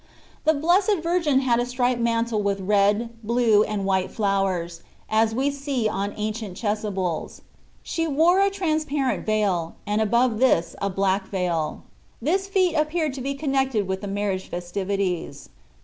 The Blessed Virgin had a striped mantle with red, blue, and white flowers, as we see on ancient chasubles. She wore a transparent veil, and above this a black veil. This fete appeared to be connected with the marriage festivities.